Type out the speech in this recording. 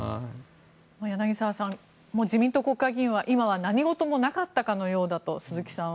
柳澤さん自民党国会議員は今は何事もなかったかのようだと鈴木さんは。